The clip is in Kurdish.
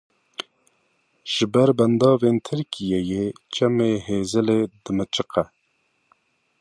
Ji ber bendavên Tirkiyeyê Çemê Hêzilê dimiçiqe.